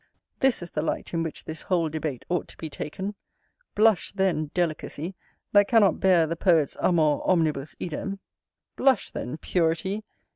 This is the light in which this whole debate ought to be taken. Blush, then, Delicacy, that cannot bear the poet's amor omnibus idem! Blush, then, Purity!